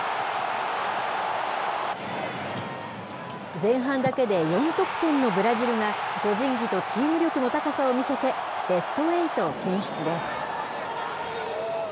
前半だけで４得点のブラジルが、個人技とチーム力の高さを見せて、ベストエイト進出です。